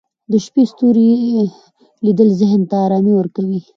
د شپې ستوري لیدل ذهن ته ارامي ورکوي